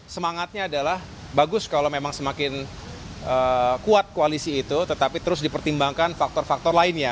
semangatnya adalah bagus kalau memang semakin kuat koalisi itu tetapi terus dipertimbangkan faktor faktor lainnya